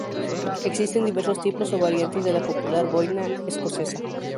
Existen diversos tipos o variantes de la popular boina escocesa.